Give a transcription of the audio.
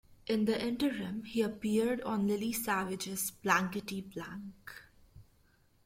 In the interim, he appeared on Lily Savage's Blankety Blank.